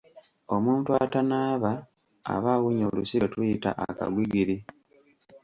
Omuntu atanaaba aba awunya olusu lwe tuyita akagwigiri..